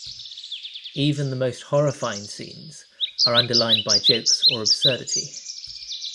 Even the most horrifying scenes are underlined by jokes or absurdity.